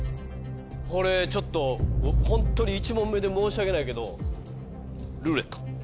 これちょっとホントに１問目で申し訳ないけど「ルーレット」。